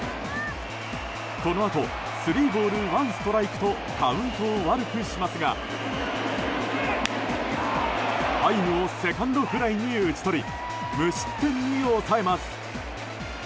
このあと、スリーボールワンストライクとカウントを悪くしますがハイムをセカンドフライに打ち取り無失点に抑えます。